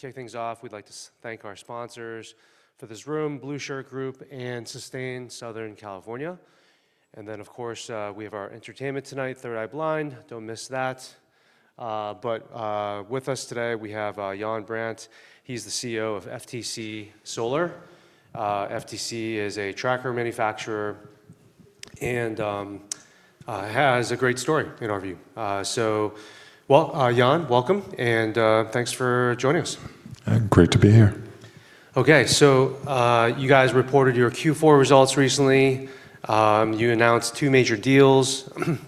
To kick things off, we'd like to thank our sponsors for this room, Blueshirt Group and Sustain SoCal. Of course, we have our entertainment tonight, Third Eye Blind. Don't miss that. With us today, we have Yann Brandt. He's the CEO of FTC Solar. FTC is a tracker manufacturer and has a great story in our view. Well, Yann, welcome, and thanks for joining us. Great to be here. Okay. You guys reported your Q4 results recently. You announced two major deals.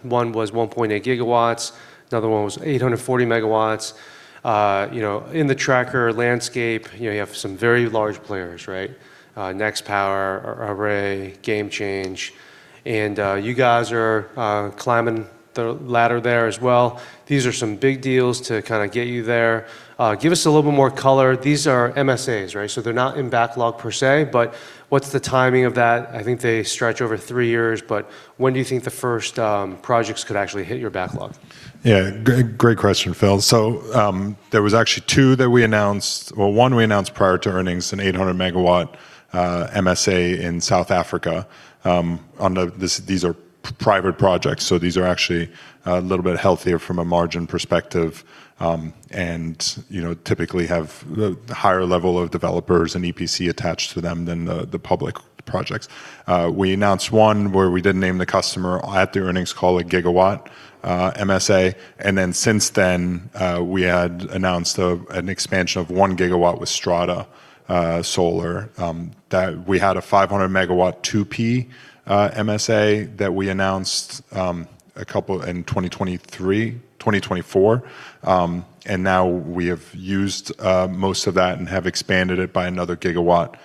One was 1.8 GW. Another one was 840 MW. You know, in the tracker landscape, you know, you have some very large players, right? Nextpower, Array, GameChange, and you guys are climbing the ladder there as well. These are some big deals to kinda get you there. Give us a little more color. These are MSAs, right? They're not in backlog per se, but what's the timing of that? I think they stretch over three years, but when do you think the first projects could actually hit your backlog? Great question, Phil. There was actually two that we announced. One we announced prior to earnings, an 800 MW MSA in South Africa. These are private projects, so these are actually a little bit healthier from a margin perspective, and you know, typically have the higher level of developers and EPC attached to them than the public projects. We announced one where we didn't name the customer at the earnings call, a 1 GW MSA. Since then, we had announced an expansion of 1 GW with Strata Solar, that we had a 500 MW 2P MSA that we announced a couple in 2023-2024. Now we have used most of that and have expanded it by another gigawatt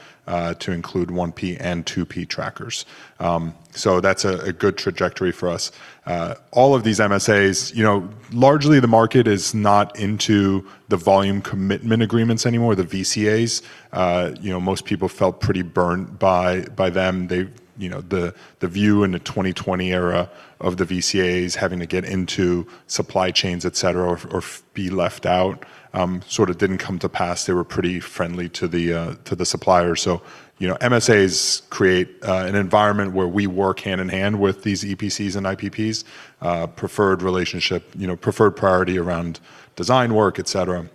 to include 1P and 2P trackers. That's a good trajectory for us. All of these MSAs, you know, largely the market is not into the volume commitment agreements anymore, the VCAs. You know, most people felt pretty burnt by them. They, you know, the view in the 2020 era of the VCAs having to get into supply chains, et cetera, or be left out sort of didn't come to pass. They were pretty friendly to the suppliers. You know, MSAs create an environment where we work hand-in-hand with these EPCs and IPPs, preferred relationship, you know, preferred priority around design work, et cetera,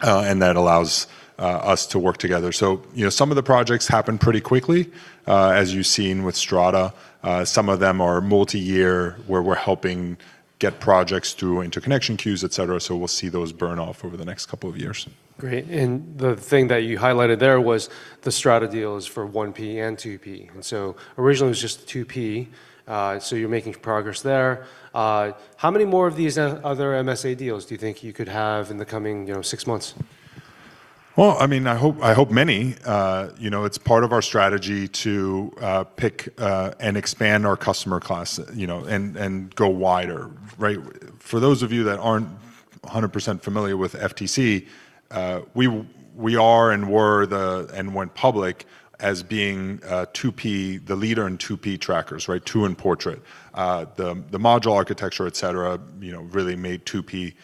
and that allows us to work together. You know, some of the projects happen pretty quickly, as you've seen with Strata. Some of them are multi-year, where we're helping get projects through interconnection queues, et cetera, so we'll see those burn off over the next couple of years. Great. The thing that you highlighted there was the Strata deal is for 1P and 2P. Originally it was just 2P, so you're making progress there. How many more of these other MSA deals do you think you could have in the coming, you know, six months? Well, I mean, I hope many. You know, it's part of our strategy to pick and expand our customer class, you know, and go wider, right? For those of you that aren't 100% familiar with FTC, we are and were the and went public as being 2P, the leader in 2P trackers, right? Two in portrait. The module architecture, et cetera, you know, really made 2P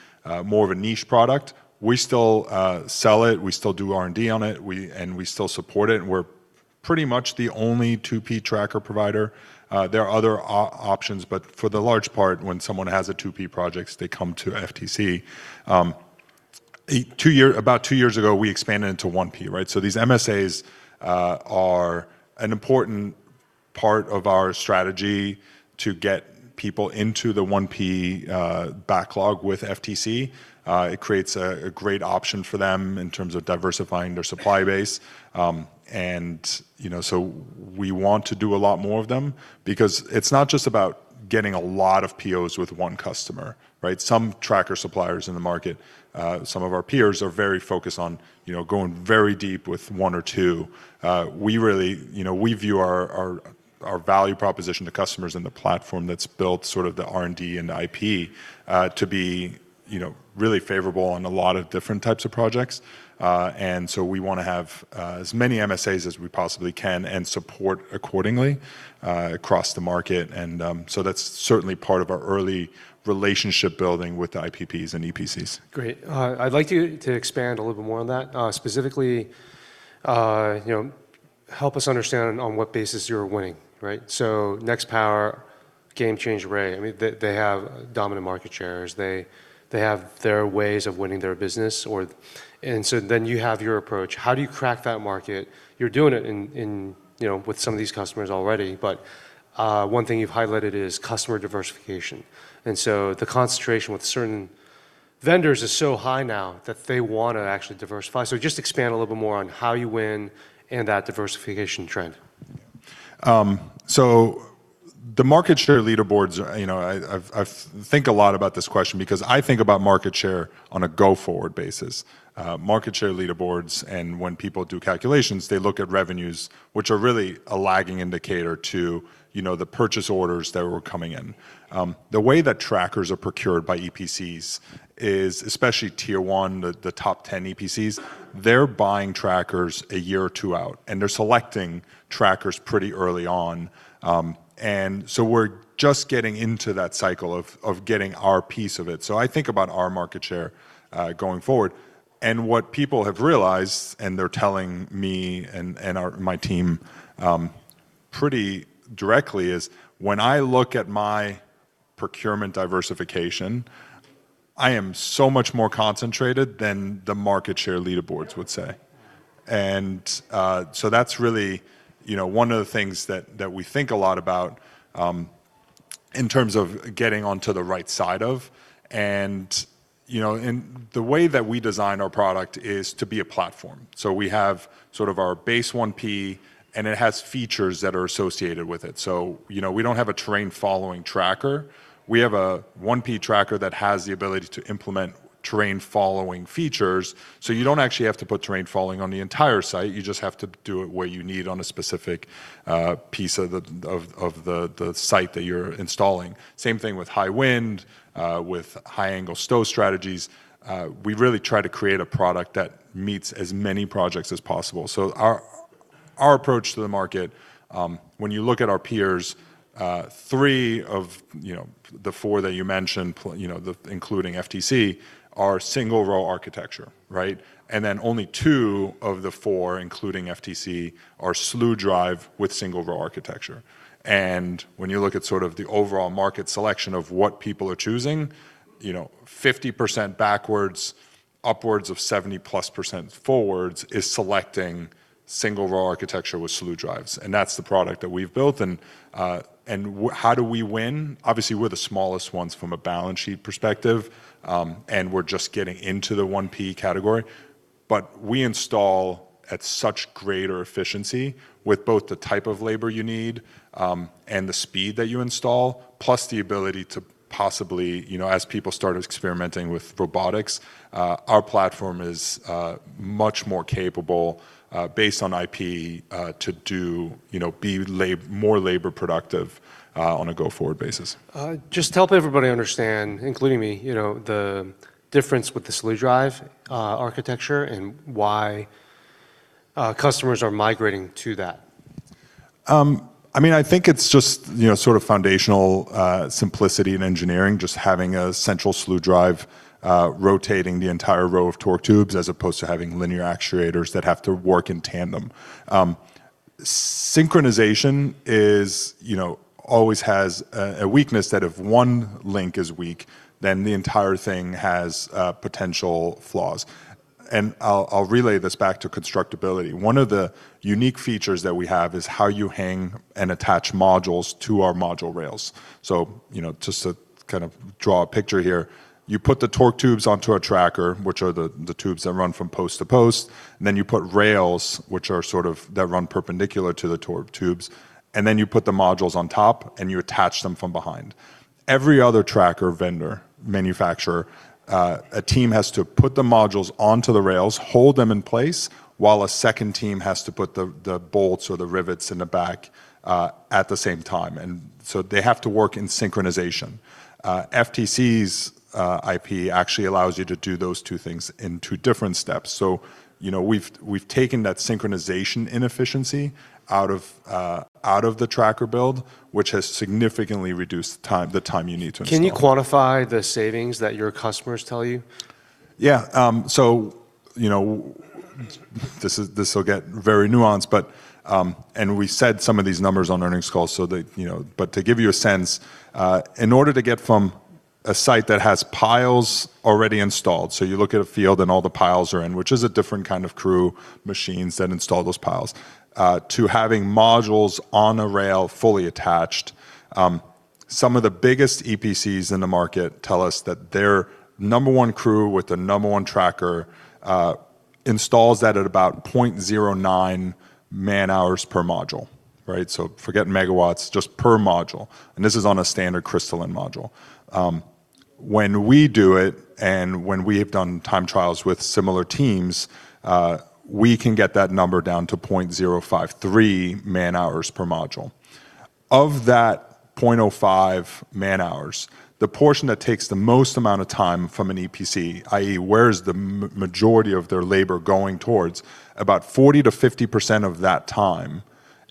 more of a niche product. We still sell it. We still do R&D on it. We still support it, and we're pretty much the only 2P tracker provider. There are other options, but for the most part, when someone has a 2P projects, they come to FTC. About two years ago, we expanded into 1P, right? These MSAs are an important part of our strategy to get people into the 1P backlog with FTC. It creates a great option for them in terms of diversifying their supply base. You know, we want to do a lot more of them because it's not just about getting a lot of POs with one customer, right? Some tracker suppliers in the market, some of our peers are very focused on, you know, going very deep with one or two. We really, you know, we view our value proposition to customers and the platform that's built sort of the R&D and the IP to be, you know, really favorable on a lot of different types of projects. We wanna have as many MSAs as we possibly can and support accordingly across the market. That's certainly part of our early relationship building with the IPPs and EPCs. Great. I'd like you to expand a little bit more on that. Specifically, you know, help us understand on what basis you're winning, right? Nextpower, GameChange, Array, I mean, they have dominant market shares. They have their ways of winning their business. You have your approach. How do you crack that market? You're doing it, you know, with some of these customers already, but one thing you've highlighted is customer diversification. The concentration with certain vendors is so high now that they wanna actually diversify. Just expand a little bit more on how you win and that diversification trend. The market share leaderboards, you know, I think a lot about this question because I think about market share on a go-forward basis. Market share leaderboards, when people do calculations, they look at revenues, which are really a lagging indicator to, you know, the purchase orders that were coming in. The way that trackers are procured by EPCs is, especially tier one, the top 10 EPCs, they're buying trackers a year or two out, and they're selecting trackers pretty early on. We're just getting into that cycle of getting our piece of it. I think about our market share going forward. What people have realized, and they're telling me and my team pretty directly is when I look at my procurement diversification, I am so much more concentrated than the market share leaderboards would say. That's really, you know, one of the things that we think a lot about in terms of getting onto the right side of. You know, the way that we design our product is to be a platform. We have sort of our base 1P, and it has features that are associated with it. You know, we don't have a terrain-following tracker. We have a 1P tracker that has the ability to implement terrain-following features, so you don't actually have to put terrain-following on the entire site. You just have to do it where you need on a specific piece of the site that you're installing. Same thing with high wind, with high-angle stow strategies. We really try to create a product that meets as many projects as possible. Our approach to the market, when you look at our peers, three of, you know, the four that you mentioned, you know, the including FTC, are single-row architecture, right? Only two of the four, including FTC, are slew drive with single-row architecture. When you look at sort of the overall market selection of what people are choosing, you know, 50% backwards, upwards of 70%+ forwards is selecting single-row architecture with slew drives, and that's the product that we've built. How do we win? Obviously, we're the smallest ones from a balance sheet perspective, and we're just getting into the 1P category. We install at such greater efficiency with both the type of labor you need, and the speed that you install, plus the ability to possibly, you know, as people start experimenting with robotics, our platform is much more capable, based on IP, to do, you know, be more labor productive, on a go-forward basis. Just to help everybody understand, including me, you know, the difference with the slew drive architecture and why customers are migrating to that. I mean, I think it's just, you know, sort of foundational simplicity in engineering, just having a central slew drive rotating the entire row of torque tubes as opposed to having linear actuators that have to work in tandem. Synchronization is, you know, always has a weakness that if one link is weak, then the entire thing has potential flaws. I'll relay this back to constructability. One of the unique features that we have is how you hang and attach modules to our module rails. You know, just to kind of draw a picture here, you put the torque tubes onto a tracker, which are the tubes that run from post to post, and then you put rails, which are sort of, that run perpendicular to the torque tubes, and then you put the modules on top, and you attach them from behind. Every other tracker vendor manufacturer a team has to put the modules onto the rails, hold them in place, while a second team has to put the bolts or the rivets in the back at the same time, and so they have to work in synchronization. FTC's IP actually allows you to do those two things in two different steps. You know, we've taken that synchronization inefficiency out of the tracker build, which has significantly reduced the time you need to install. Can you quantify the savings that your customers tell you? You know, this will get very nuanced, but we said some of these numbers on earnings calls, so they, you know. To give you a sense, in order to get from a site that has piles already installed, so you look at a field and all the piles are in, which is a different kind of crew machines that install those piles, to having modules on a rail fully attached, some of the biggest EPCs in the market tell us that their number one crew with the number one tracker installs that at about 0.09 man-hours per module, right? Forget megawatts, just per module, and this is on a standard crystalline module. When we do it and when we have done time trials with similar teams, we can get that number down to 0.053 man-hours per module. Of that 0.05 man-hours, the portion that takes the most amount of time from an EPC, i.e. where is the majority of their labor going towards, about 40%-50% of that time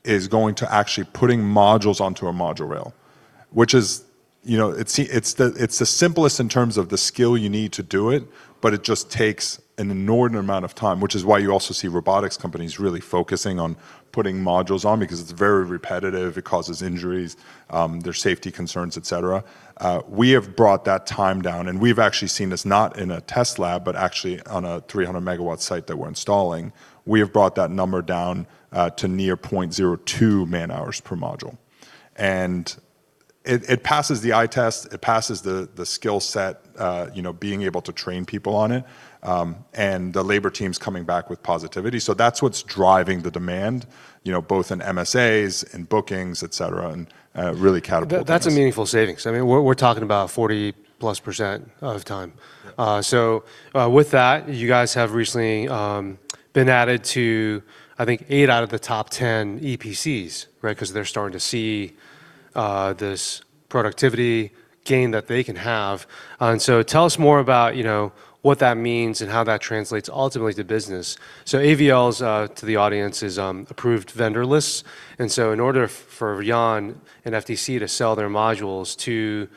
is going to actually putting modules onto a module rail, which is, you know, it's the simplest in terms of the skill you need to do it, but it just takes an inordinate amount of time, which is why you also see robotics companies really focusing on putting modules on because it's very repetitive, it causes injuries, there's safety concerns, et cetera. We have brought that time down, and we've actually seen this not in a test lab, but actually on a 300 MW site that we're installing. We have brought that number down to near 0.02 man-hours per module. It passes the eye test, it passes the skill set, you know, being able to train people on it, and the labor teams coming back with positivity. That's what's driving the demand, you know, both in MSAs and bookings, et cetera, and really catapulting us. That, that's a meaningful savings. I mean, we're talking about 40%+ of time. Yeah. With that, you guys have recently been added to, I think, eight out of the top 10 EPCs, right? 'Cause they're starting to see this productivity gain that they can have. Tell us more about, you know, what that means and how that translates ultimately to business. AVLs to the audience is approved vendor lists. In order for Yann and FTC to sell their modules to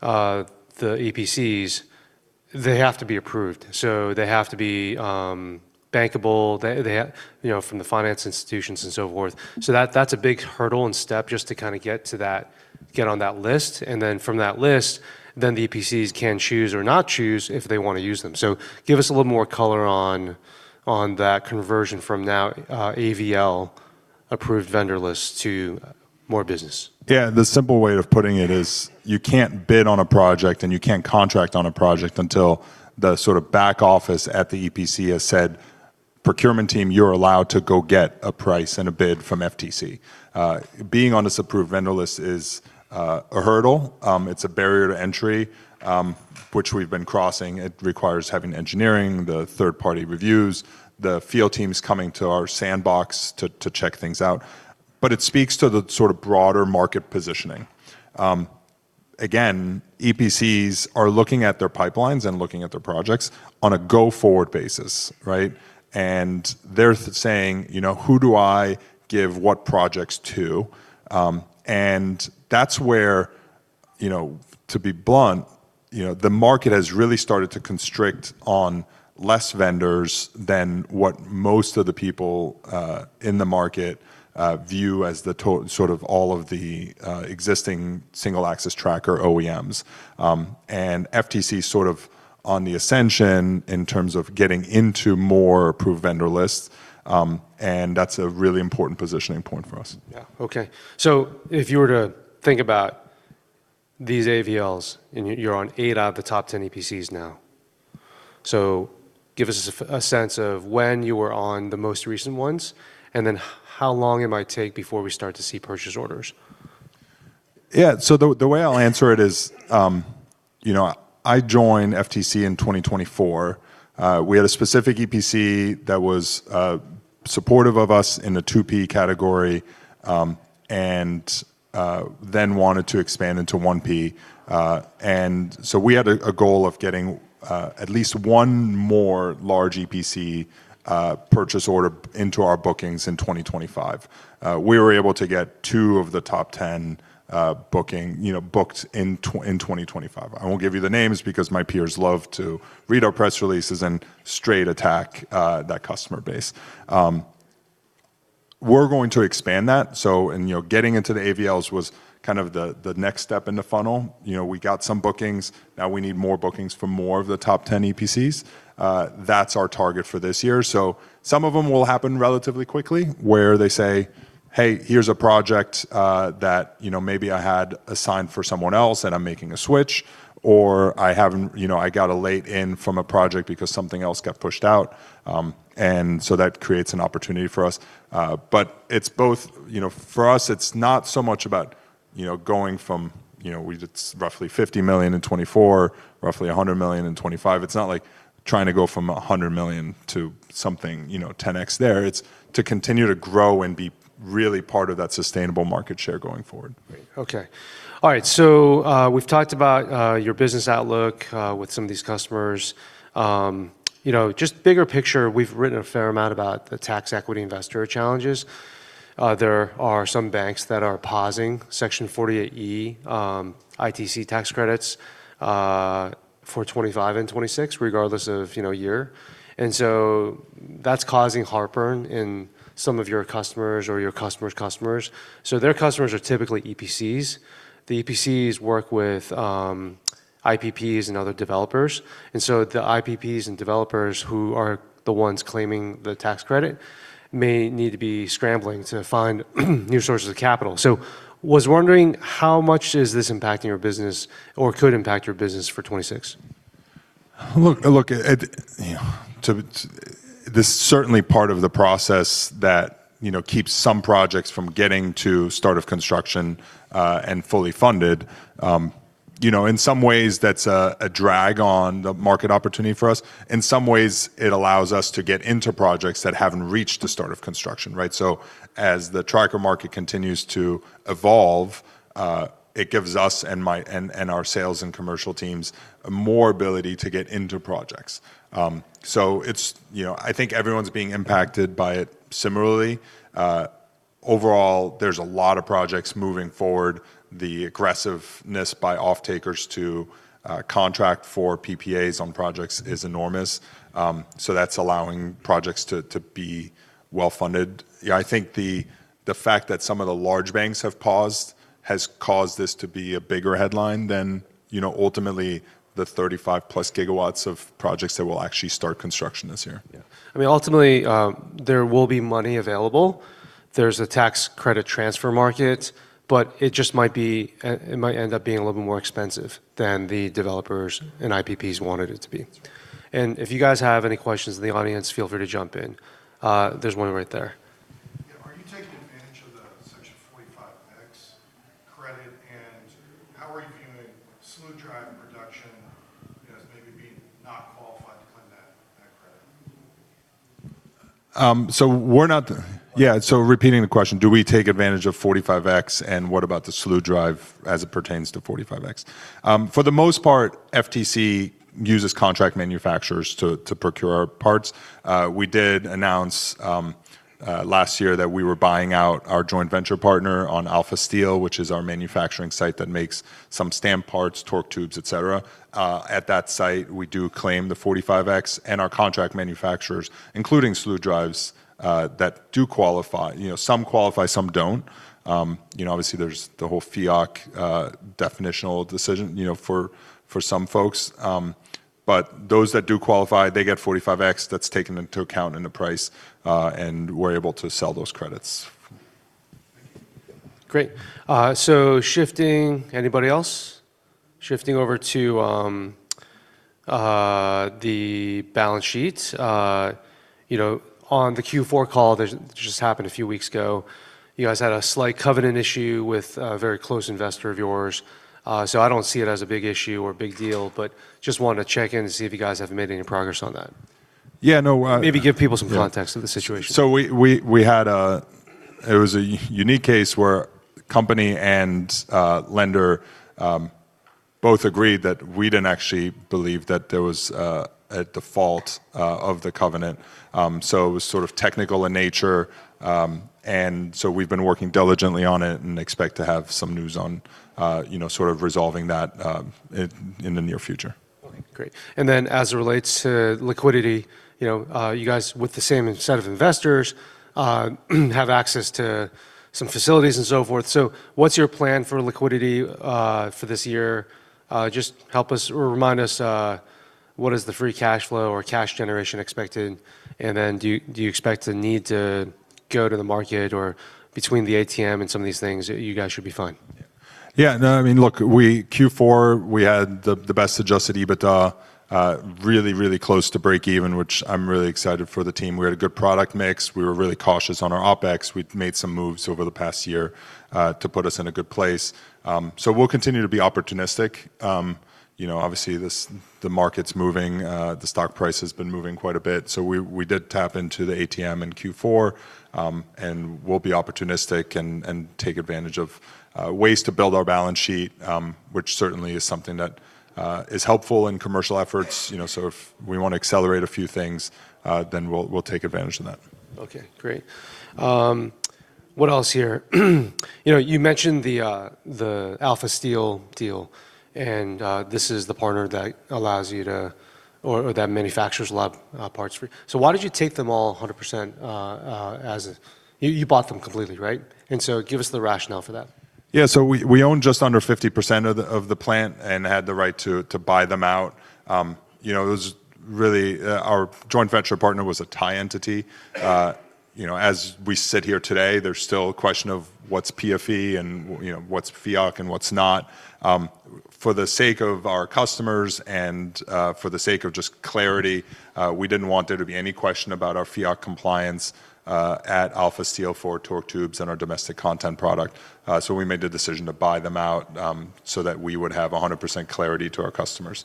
the EPCs. They have to be approved, so they have to be bankable. They, you know, from the finance institutions and so forth. That's a big hurdle and step just to kinda get to that get on that list, and then from that list, then the EPCs can choose or not choose if they wanna use them. Give us a little more color on that conversion from now, AVL approved vendor list to more business. Yeah. The simple way of putting it is you can't bid on a project and you can't contract on a project until the sorta back office at the EPC has said, "Procurement team, you're allowed to go get a price and a bid from FTC." Being on this approved vendor list is a hurdle. It's a barrier to entry, which we've been crossing. It requires having engineering, the third-party reviews, the field teams coming to our sandbox to check things out. It speaks to the sort of broader market positioning. Again, EPCs are looking at their pipelines and looking at their projects on a go-forward basis, right? They're saying, you know, "Who do I give what projects to?" That's where, you know, to be blunt, you know, the market has really started to constrict on less vendors than what most of the people in the market view as sort of all of the existing single-axis tracker OEMs. FTC's sort of on the ascension in terms of getting into more approved vendor lists, and that's a really important positioning point for us. If you were to think about these AVLs, and you're on eight out of the top 10 EPCs now. Give us a sense of when you were on the most recent ones, and then how long it might take before we start to see purchase orders. Yeah. The way I'll answer it is, you know, I joined FTC in 2024. We had a specific EPC that was supportive of us in the 2P category, and then wanted to expand into 1P. We had a goal of getting at least one more large EPC purchase order into our bookings in 2025. We were able to get two of the top 10 booked in 2025. I won't give you the names because my peers love to read our press releases and start attacking that customer base. We're going to expand that. You know, getting into the AVLs was kind of the next step in the funnel. You know, we got some bookings. Now we need more bookings from more of the top ten EPCs. That's our target for this year. Some of them will happen relatively quickly, where they say, "Hey, here's a project, that, you know, maybe I had assigned for someone else, and I'm making a switch," or, "You know, I got a late win from a project because something else got pushed out." That creates an opportunity for us. It's both. You know, for us, it's not so much about, you know, going from, you know, it's roughly $50 million in 2024, roughly $100 million in 2025. It's not like trying to go from $100 million to something, you know, 10x there. It's to continue to grow and be really part of that sustainable market share going forward. Great. Okay. All right. We've talked about your business outlook with some of these customers. You know, just bigger picture, we've written a fair amount about the tax equity investor challenges. There are some banks that are pausing Section 48E ITC tax credits for 2025 and 2026, regardless of year. That's causing heartburn in some of your customers or your customers' customers. Their customers are typically EPCs. The EPCs work with IPPs and other developers. The IPPs and developers who are the ones claiming the tax credit may need to be scrambling to find new sources of capital. Was wondering how much is this impacting your business or could impact your business for 2026? This is certainly part of the process that, you know, keeps some projects from getting to start of construction and fully funded. You know, in some ways, that's a drag on the market opportunity for us. In some ways, it allows us to get into projects that haven't reached the start of construction, right? As the tracker market continues to evolve, it gives us and our sales and commercial teams more ability to get into projects. It's you know, I think everyone's being impacted by it similarly. Overall, there's a lot of projects moving forward. The aggressiveness by off-takers to contract for PPA on projects is enormous. That's allowing projects to be well-funded. Yeah, I think the fact that some of the large banks have paused has caused this to be a bigger headline than, you know, ultimately the 35+ GW of projects that will actually start construction this year. Yeah. I mean, ultimately, there will be money available. There's a tax credit transfer market, but it might end up being a little more expensive than the developers and IPPs wanted it to be. If you guys have any questions in the audience, feel free to jump in. There's one right there. Yeah. Are you taking advantage of the Section 45X credit, and how are you viewing slew drive production as maybe being not qualified- Repeating the question, do we take advantage of 45X, and what about the slew drive as it pertains to 45X? For the most part, FTC uses contract manufacturers to procure our parts. We did announce last year that we were buying out our joint venture partner on Alpha Steel, which is our manufacturing site that makes some stamp parts, torque tubes, et cetera. At that site, we do claim the 45X and our contract manufacturers, including slew drives, that do qualify. You know, some qualify, some don't. You know, obviously, there's the whole FEOC definitional decision, you know, for some folks. Those that do qualify, they get 45X that's taken into account in the price, and we're able to sell those credits. Great. Shifting over to the balance sheets. You know, on the Q4 call that just happened a few weeks ago, you guys had a slight covenant issue with a very close investor of yours. I don't see it as a big issue or a big deal, but just want to check in to see if you guys have made any progress on that. Yeah, no. Maybe give people some context of the situation. It was a unique case where company and lender both agreed that we didn't actually believe that there was a default of the covenant. It was sort of technical in nature, and we've been working diligently on it and expect to have some news on, you know, sort of resolving that, in the near future. Great. Then as it relates to liquidity, you know, you guys with the same set of investors have access to some facilities and so forth. What's your plan for liquidity for this year? Just help us or remind us what is the free cash flow or cash generation expected? Then do you expect to need to go to the market or between the ATM and some of these things, you guys should be fine? Yeah. No, I mean, look, in Q4, we had the best Adjusted EBITDA, really close to breakeven, which I'm really excited for the team. We had a good product mix. We were really cautious on our OpEx. We'd made some moves over the past year to put us in a good place. We'll continue to be opportunistic. You know, obviously, the market's moving, the stock price has been moving quite a bit. We did tap into the ATM in Q4, and we'll be opportunistic and take advantage of ways to build our balance sheet, which certainly is something that is helpful in commercial efforts. You know, if we wanna accelerate a few things, we'll take advantage of that. Okay, great. What else here? You know, you mentioned the Alpha Steel deal, and this is the partner that allows you to or that manufactures a lot of parts for you. So why did you take them a 100%? You bought them completely, right? Give us the rationale for that. We own just under 50% of the plant and had the right to buy them out. You know, it was really our joint venture partner was a Thai entity. You know, as we sit here today, there's still a question of what's PFE and what's FEOC and what's not. For the sake of our customers and for the sake of just clarity, we didn't want there to be any question about our FEOC compliance at Alpha Steel for torque tubes and our domestic content product. So we made the decision to buy them out, so that we would have 100% clarity to our customers,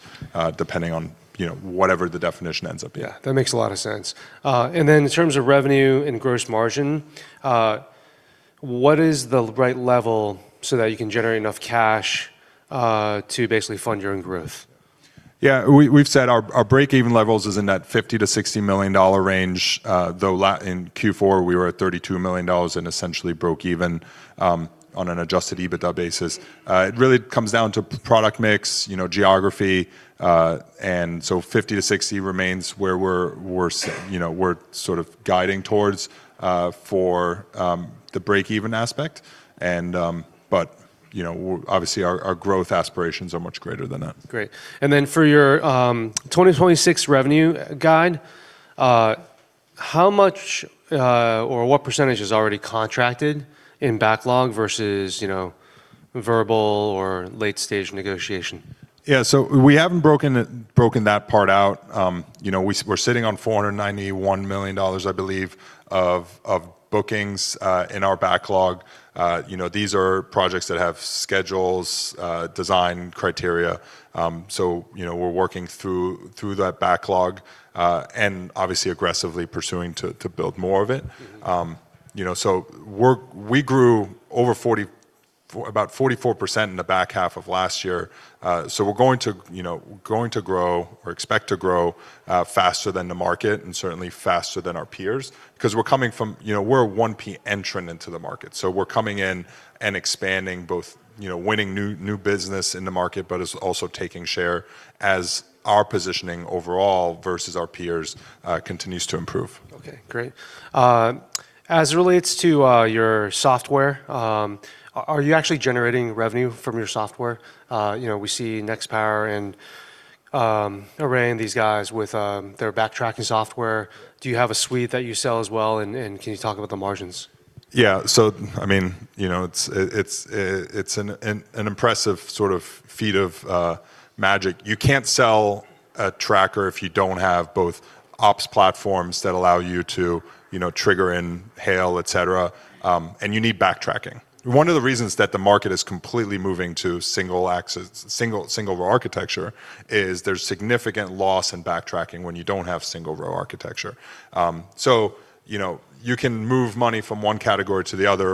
depending on whatever the definition ends up being. Yeah, that makes a lot of sense. In terms of revenue and gross margin, what is the right level so that you can generate enough cash to basically fund your own growth? We've said our breakeven levels is in that $50 million-$60 million range, though in Q4, we were at $32 million and essentially broke even on an Adjusted EBITDA basis. It really comes down to product mix, you know, geography, and so 50-60 remains where we're, you know, we're sort of guiding towards for the breakeven aspect. You know, obviously, our growth aspirations are much greater than that. Great. For your 2026 revenue guide, how much or what percentage is already contracted in backlog versus, you know, verbal or late-stage negotiation? Yeah. We haven't broken that part out. You know, we're sitting on $491 million, I believe, of bookings in our backlog. You know, these are projects that have schedules, design criteria. You know, we're working through that backlog and obviously aggressively pursuing to build more of it. You know, we grew about 44% in the back half of last year. We're going to grow or expect to grow faster than the market and certainly faster than our peers because we're coming from. You know, we're a 1P entrant into the market. We're coming in and expanding both, you know, winning new business in the market, but it's also taking share as our positioning overall versus our peers continues to improve. Okay, great. As it relates to your software, are you actually generating revenue from your software? You know, we see Nextpower and Array and these guys with their backtracking software. Do you have a suite that you sell as well, and can you talk about the margins? I mean, you know, it's an impressive sort of feat of magic. You can't sell a tracker if you don't have both ops platforms that allow you to, you know, trigger in hail, et cetera, and you need backtracking. One of the reasons that the market is completely moving to single-row architecture is there's significant loss in backtracking when you don't have single-row architecture. You know, you can move money from one category to the other.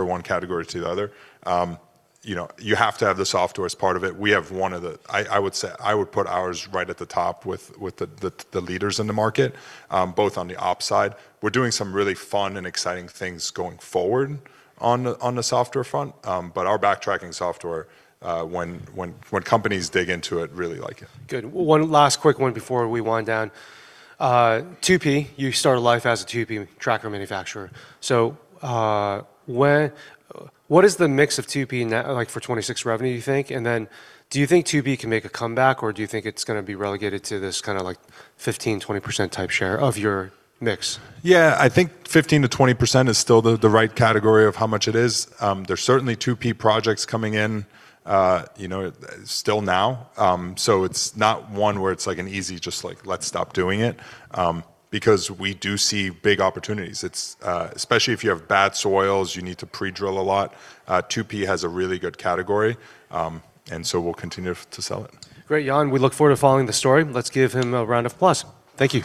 You know, you have to have the software as part of it. We have one of the, I would say. I would put ours right at the top with the leaders in the market, both on the op side. We're doing some really fun and exciting things going forward on the software front. Our backtracking software, when companies dig into it, really like it. Good. One last quick one before we wind down. 2P, you started life as a 2P tracker manufacturer. What is the mix of 2P next like for 2026 revenue, you think? And then do you think 2P can make a comeback, or do you think it's gonna be relegated to this kinda like 15%-20% type share of your mix? Yeah. I think 15%-20% is still the right category of how much it is. There's certainly 2P projects coming in, you know, still now. It's not one where it's like an easy just like, let's stop doing it, because we do see big opportunities. It's especially if you have bad soils, you need to pre-drill a lot. 2P has a really good category, and so we'll continue to sell it. Great, Yann. We look forward to following the story. Let's give him a round of applause. Thank you.